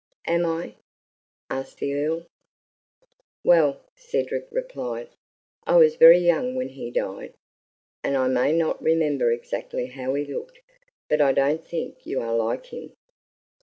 "Am I?" asked the Earl. "Well," Cedric replied, "I was very young when he died, and I may not remember exactly how he looked, but I don't think you are like him."